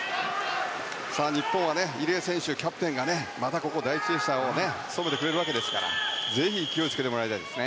日本は入江選手、キャプテンがまたここで第１泳者を務めてくれるわけですからぜひ勢いをつけてもらいたいです。